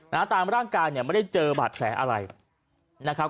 ตามร่างกายเนี่ยไม่ได้เจอบาดแผลอะไรนะครับ